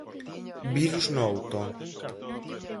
Virus no outono.